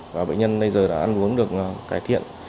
và bệnh nhân bây giờ đã ăn uống được cải thiện